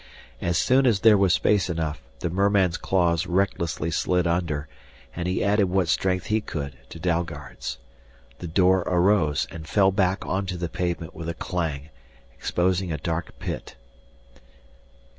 As soon as there was space enough, the merman's claws recklessly slid under, and he added what strength he could to Dalgard's. The door arose and fell back onto the pavement with a clang, exposing a dark pit.